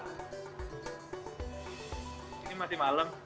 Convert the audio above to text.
ini masih malam